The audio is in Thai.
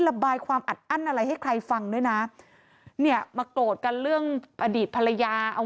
ระบายความอัดอั้นอะไรให้ใครฟังด้วยนะเนี่ยมาโกรธกันเรื่องอดีตภรรยาเอา